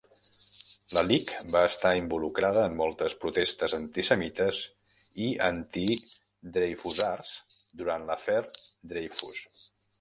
La Ligue va estar involucrada en moltes protestes antisemites i anti-dreyfusards durant l'afair Dreyfus.